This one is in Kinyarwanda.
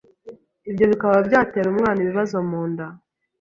ibyo bikaba byatera umwana ibibazo mu nda